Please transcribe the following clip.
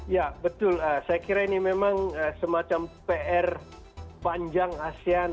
ya betul saya kira ini memang semacam pr panjang asean